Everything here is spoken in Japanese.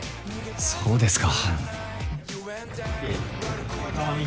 そうですか。